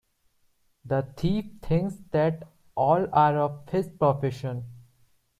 The thief thinks that all are of his profession.